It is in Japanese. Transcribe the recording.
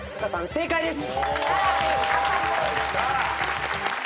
正解です。